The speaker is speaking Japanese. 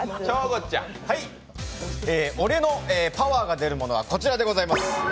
俺のパワーが出るものはこちらでございます。